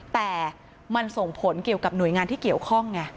แต่มันส่งผลเกี่ยวกับหน่วยงานที่เกี่ยวข้องไง